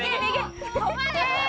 止まれ！